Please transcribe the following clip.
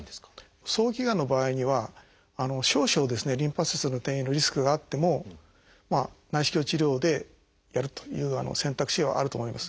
早期がんの場合には少々リンパ節への転移のリスクがあっても内視鏡治療でやるという選択肢はあると思います。